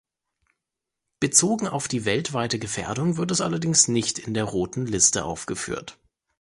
Bezogen auf die weltweite Gefährdung wird es allerdings nicht in der Roten Liste aufgeführt.